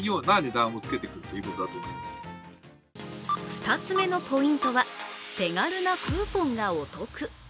２つ目のポイントは、手軽なクーポンがお得。